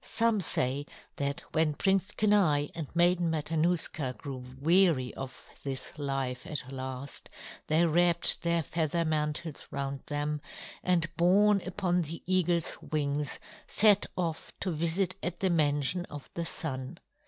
Some say that when Prince Kenai and Maiden Matanuska grew weary of this life at last, they wrapped their feather mantles round them, and borne upon the eagle's wings, set off to visit at the mansion of the Sun.